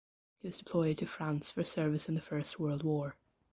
He was deployed to France for service in the First World War.